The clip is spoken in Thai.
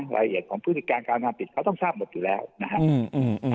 รายละเอียดของพฤติการการทำผิดเขาต้องทราบหมดอยู่แล้วนะครับ